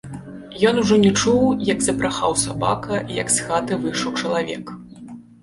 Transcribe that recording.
Ён ужо не чуў, як забрахаў сабака і як з хаты выйшаў чалавек.